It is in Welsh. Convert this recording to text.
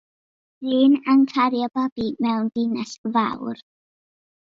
Dyn yn cario babi mewn dinas fawr.